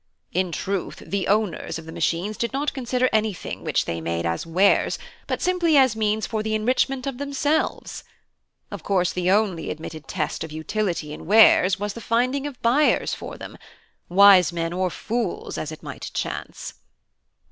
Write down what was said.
In truth, the owners of the machines did not consider anything which they made as wares, but simply as means for the enrichment of themselves. Of course the only admitted test of utility in wares was the finding of buyers for them wise men or fools, as it might chance."